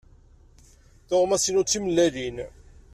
Tuɣmas-inu d timellalin.